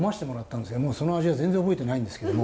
もうその味は全然覚えてないんですけども。